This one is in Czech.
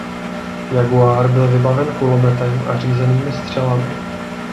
Jaguar byl vybaven kulometem a řízenými střelami.